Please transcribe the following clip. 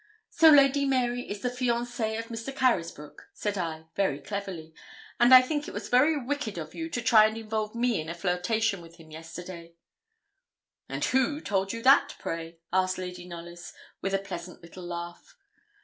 'So Lady Mary is the fiancée of Mr. Carysbroke,' said I, very cleverly; 'and I think it was very wicked of you to try and involve me in a flirtation with him yesterday.' 'And who told you that, pray?' asked Lady Knollys, with a pleasant little laugh.